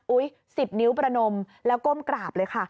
๑๐นิ้วประนมแล้วก้มกราบเลยค่ะ